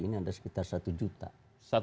ini ada sekitar satu juta